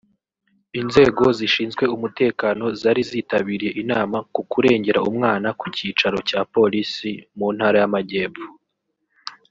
Inzego zishinzwe umutekano zari zitabiriye inama ku kurengera umwana ku cyicaro cya Polisi mu Ntara y’Amajyepfo